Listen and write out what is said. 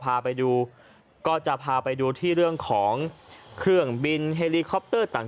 พาไปดูก็จะพาไปดูที่เรื่องของเครื่องบินเฮลีคอปเตอร์ต่าง